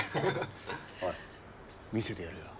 おい見せてやるよ。